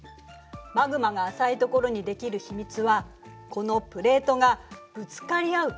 マグマが浅いところにできる秘密はこのプレートがぶつかり合う